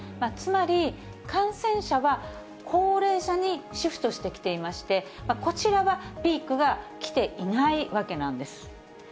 つまり感染者は、高齢者にシフトしてきていまして、こちらはピークは来ていないわけなんです。